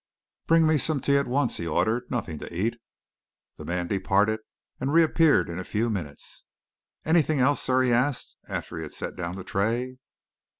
"Bring me some tea at once," he ordered, "nothing to eat." The man departed, and reappeared in a few minutes. "Anything else, sir?" he asked, after he had set down the tray.